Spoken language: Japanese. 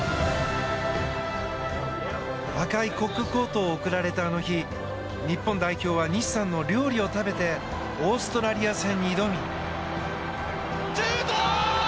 赤いコックコートを贈られたあの日日本代表は西さんの料理を食べてオーストラリア戦に挑み。